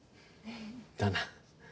だな。